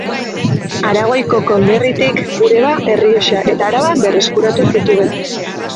Aragoiko konderritik Bureba, Errioxa eta Araba berreskuratu zituen.